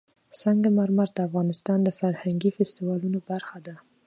سنگ مرمر د افغانستان د فرهنګي فستیوالونو برخه ده.